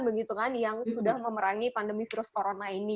begitu kan yang sudah memerangi pandemi virus corona ini